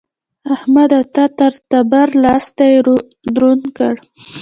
احمده! تا تر تبر؛ لاستی دروند کړ.